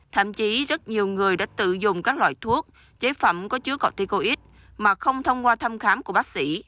thậm chí rất nhiều người đã tự dùng các loại thuốc chế phẩm có chứa corticoid mà không thông qua thăm khám của bác sĩ